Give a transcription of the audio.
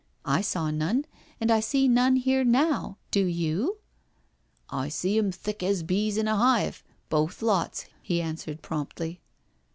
I saw none, and I see none here now, do you?" "I see 'em thick as bees in a hive— both lots," he answered promptly.